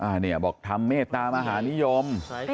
อันนี้บอกทำเมตตามหานิยม